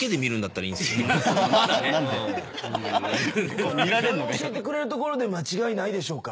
ここはピアノ教えてくれるところで間違いないでしょうか？